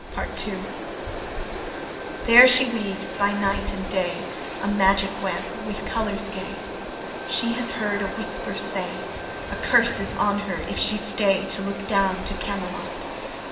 Part II. There she weaves by night and day A magic web with colours gay. She has heard a whisper say, A curse is on her if she stay To look down to Camelot.